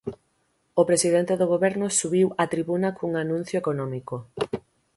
O presidente do Goberno subiu á tribuna cun anuncio económico.